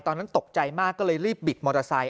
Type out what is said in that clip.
ตอนนั้นตกใจมากก็เลยรีบบิดมอเตอร์ไซค